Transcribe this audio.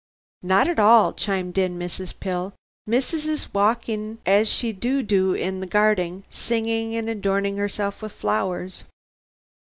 "Not at all," chimed in Mrs. Pill. "Missus is walking as she do do in the garding, singing and adornin' self with flowers."